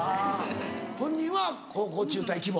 本人は高校中退希望？